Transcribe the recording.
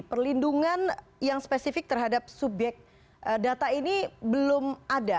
perlindungan yang spesifik terhadap subyek data ini belum ada